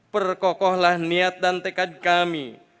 perkokohlah niat dan tekad kami